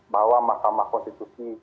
bahwa mahkamah konstitusi